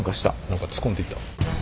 何か突っ込んでいった。